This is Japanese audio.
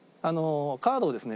カードをですね